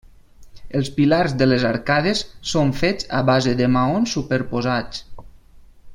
Els pilars de les arcades són fets a base de maons superposats.